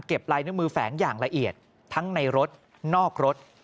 ลายนิ้วมือแฝงอย่างละเอียดทั้งในรถนอกรถ